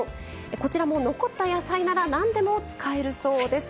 こちらも残った野菜なら何でも使えるそうです。